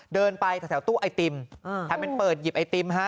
เดินไปแถวตู้ไอติมทำเป็นเปิดหยิบไอติมฮะ